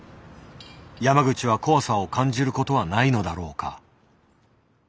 山口は怖さを感じることはないのだろうか。